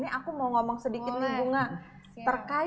ini aku mau ngomong sedikit nih bunga terkait